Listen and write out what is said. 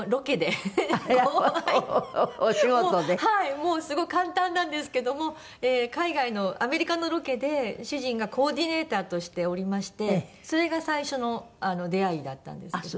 もうすごい簡単なんですけども海外のアメリカのロケで主人がコーディネーターとしておりましてそれが最初の出会いだったんですけども。